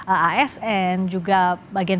as dan juga bagian